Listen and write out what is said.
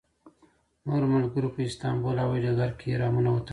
نورو ملګرو په استانبول هوایي ډګر کې احرامونه وتړل.